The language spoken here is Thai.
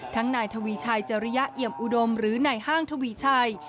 ทั้งหน่ายทวีชัยจริยาเอียมอุดมหรือหน่ายห้างทวีชัย